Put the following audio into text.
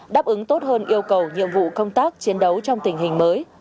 đáp ứng tốt hơn yêu cầu nhiệm vụ công tác chiến đấu trong tình hình mới